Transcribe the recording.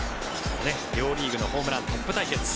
両リーグのホームラントップ対決。